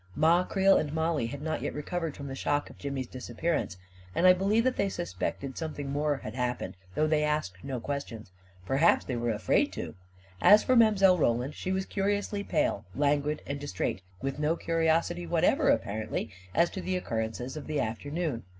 Ma Creel and Mollie had not yet recovered from the shock of Jimmy's disappearance ; and I believe that they suspected something more had happened, though they asked no questions. Perhaps they were afraid to I As for Mile. Roland, she was curiously pale, lan guid, and distrait, with no curiosity whatever, ap parently, as to the occurrences of the afternoon.